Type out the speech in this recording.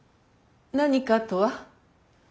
「何か」とは？